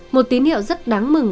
một tín hiệu rất đáng mừng